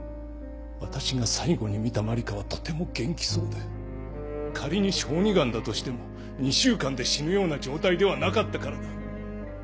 私が最後に見た麻里香はとても元気そうで仮に小児がんだとしても２週間で死ぬような状態ではなかったからだ。